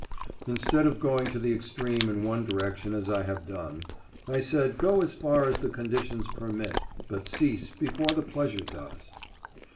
Instead of going to the extreme in one direction as I have done, I said go as far as the conditions permit, but cease before the pleasure does.